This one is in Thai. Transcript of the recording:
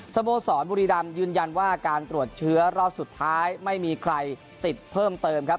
สโมสรบุรีรำยืนยันว่าการตรวจเชื้อรอบสุดท้ายไม่มีใครติดเพิ่มเติมครับ